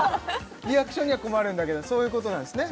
リアクションには困るんだけどそういうことなんですね？